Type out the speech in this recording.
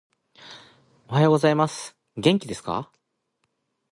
おはようございます。元気ですか？